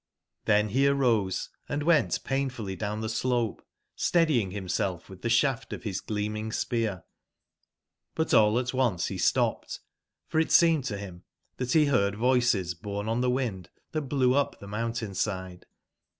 TIben be arose, and went painfully down tbe slope, steadying bimself witb tbe sbaftof bis gleaming spear; but all at once be stopped; for it seemed to bim tbat be 112 beard voices borne on tbc wind tbat blew up tbe mountain/side.